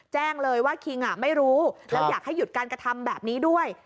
แจ้งเลยว่าคิงไม่รู้แล้วอยากให้หยุดการกระทำแบบนี้ด้วย